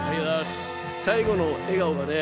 最後の笑顔がね